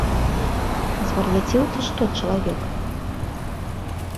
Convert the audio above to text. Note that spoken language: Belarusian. Звар'яцеў ці што чалавек?